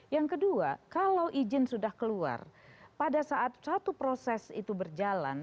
yang kedua kalau izin sudah keluar pada saat satu proses itu berjalan